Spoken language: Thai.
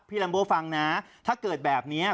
พี่ลัมโบ่ฟังนะถ้าเกิดแบบเนี้ย